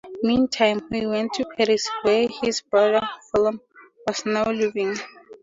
Meantime, he went to Paris where his brother Wilhelm was now living.